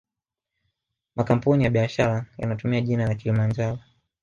Makampuni ya biashara yanatumia jina la kilimanjaro